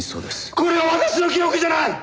これは私の記憶じゃない！